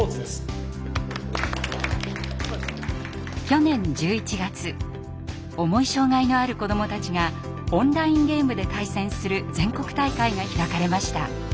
去年１１月重い障害のある子どもたちがオンラインゲームで対戦する全国大会が開かれました。